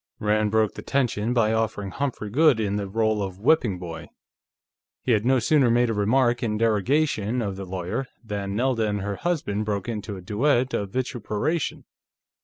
Rand broke the tension by offering Humphrey Goode in the role of whipping boy; he had no sooner made a remark in derogation of the lawyer than Nelda and her husband broke into a duet of vituperation.